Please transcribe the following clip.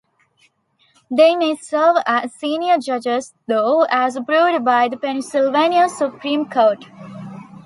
They may serve as Senior Judges though, as approved by the Pennsylvania Supreme Court.